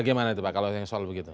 bagaimana itu pak kalau yang soal begitu